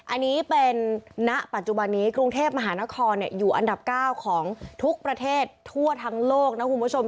อันนี้เป็นณปัจจุบันนี้กรุงเทพมหานครอยู่อันดับ๙ของทุกประเทศทั่วทั้งโลกนะคุณผู้ชม